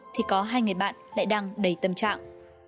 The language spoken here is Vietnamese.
thì có hai người bạn lại đang đầy tâm trạng